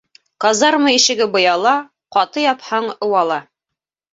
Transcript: Казарма ишеге быяла, ҡаты япһаң ыуала